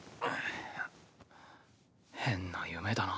変な夢だな。